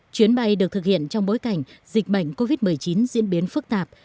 chuyến bay được thực hiện trong bối cảnh dịch bệnh covid một mươi chín diễn biến phức tạp